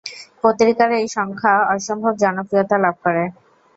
পত্রিকার এই সংখ্যা অসম্ভব জনপ্রিয়তা লাভ করে।